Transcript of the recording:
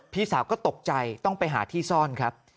พี่สาวก็ตกใจต้องไปหาที่ซ่อนครับ